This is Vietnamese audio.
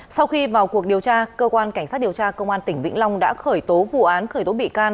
sau khi vào cuộc điều tra cơ quan cảnh sát điều tra công an tỉnh vĩnh long đã khởi tố vụ án khởi tố bị can